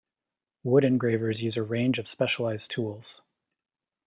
Wood engravers use a range of specialized tools.